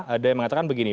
ada yang mengatakan begini